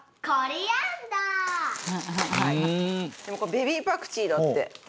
でも、これベビーパクチーだって。